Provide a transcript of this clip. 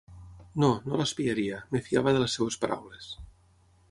No, no l'espiaria, em fiava de les seues paraules.